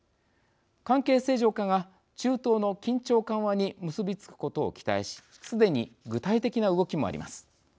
関係正常化が中東の緊張緩和に結び付くことを期待しすでに具体的な動きもあります。